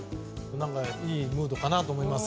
いいムードだと思います。